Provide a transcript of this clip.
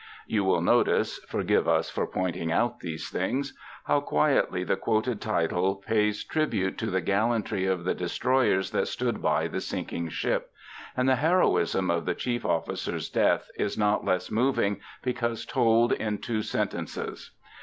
You will notice (forgive us for pointing out these things) how quietly the quoted title pays tribute to the gallantry of the destroyers that stood by the sinking ship; and the heroism of the chief officer's death is not less moving because told in two sentences.